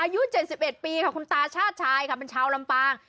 อายุเจ็ดสิบเอ็ดปีขอบคุณตาชาติชายค่ะเป็นชาวลำปาง